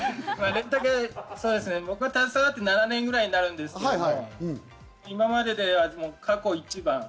僕が携わって７年ぐらいになるんですけれども、今までで過去一番。